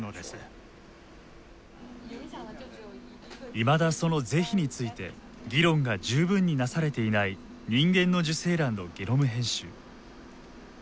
いまだその是非について議論が十分になされていない人間の受精卵のゲノム編集。